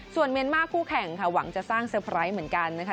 ส่วนเมียนมาร์คู่แข่งค่ะหวังจะสร้างเซอร์ไพรส์เหมือนกันนะคะ